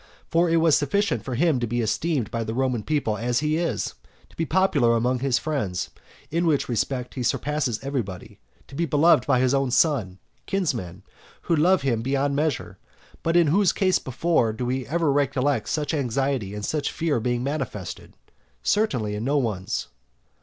For it was sufficient for him to be esteemed by the Roman people as he is; to be popular among his friends, in which respect he surpasses everybody; to be beloved by his own kinsmen, who do love him beyond measure; but in whose case before do we ever recollect such anxiety and such fear being manifested? Certainly in no one's.